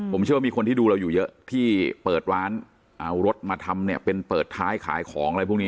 ผมเชื่อว่ามีคนที่ดูเราอยู่เยอะที่เปิดร้านเอารถมาทำเนี่ยเป็นเปิดท้ายขายของอะไรพวกนี้